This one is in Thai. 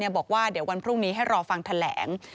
บอกว่าเดี๋ยววันพรุ่งนี้ให้รอฟังแถลง